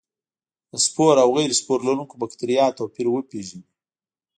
د سپور او غیر سپور لرونکو بکټریا توپیر وپیژني.